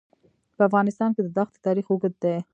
په افغانستان کې د ښتې تاریخ اوږد دی.